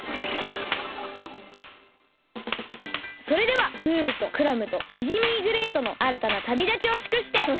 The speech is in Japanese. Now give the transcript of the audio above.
それではムールとクラムとシジミーグレイトのあらたなたびだちをしゅくして！